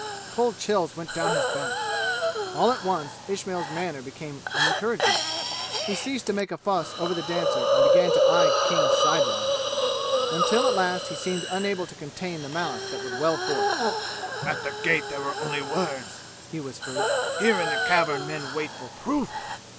Cold chills went down his back. All at once Ismail's manner became unencouraging. He ceased to make a fuss over the dancer and began to eye King sidewise, until at last he seemed unable to contain the malice that would well forth. "At the gate there were only words!" he whispered. "Here in this cavern men wait for proof!"